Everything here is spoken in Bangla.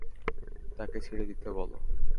তাকে ছেড়ে দিতে বলো!